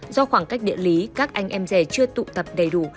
do khoảng cách địa lý các anh em rể chưa tụ tập đầy đủ